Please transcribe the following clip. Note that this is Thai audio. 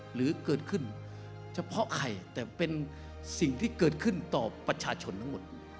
หรือเกิดขึ้นเฉพาะใครแต่เป็นสิ่งที่เกิดขึ้นต่อประชาชนทั้งหมด